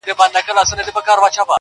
وايي د مُلا کتاب خاص د جنتونو باب!